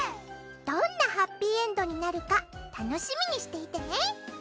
どんなハッピーエンドになるか楽しみにしていてね！